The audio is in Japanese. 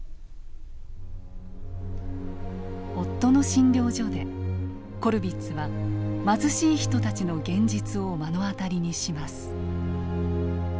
夫の診療所でコルヴィッツは貧しい人たちの現実を目の当たりにします。